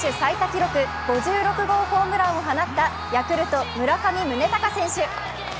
記録５６号ホームランを放ったヤクルト・村上宗隆選手。